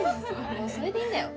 それでいいんだよ